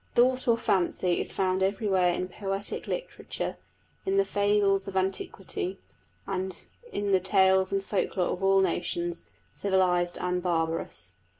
The thought or fancy is found everywhere in poetic literature, in the fables of antiquity, in the tales and folk lore of all nations, civilised and barbarous.